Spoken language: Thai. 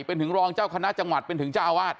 เป็นถึงรองเจ้าคณะจังหวัดเป็นถึงเจ้าอาวาส